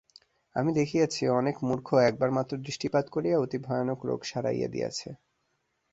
আমি দেখিায়াছি, অনেক মূর্খ একবার মাত্র দৃষ্টিপাত করিয়া অতি ভয়ানক রোগ সারাইয়া দিয়াছে।